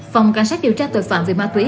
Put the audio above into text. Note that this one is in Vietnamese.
phòng cảnh sát điều tra tội phạm về ma túy